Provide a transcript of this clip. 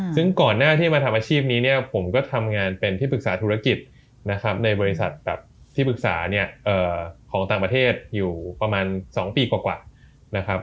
ซึ่งก่อนหน้าที่มาทำอาชีพนี้เนี่ยผมก็ทำงานเป็นที่ปรึกษาธุรกิจนะครับในบริษัทแบบที่ปรึกษาเนี่ยของต่างประเทศอยู่ประมาณ๒ปีกว่านะครับ